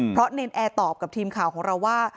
เพราะเนรนแอร์ตอบกับทีมข่าวของเราว่า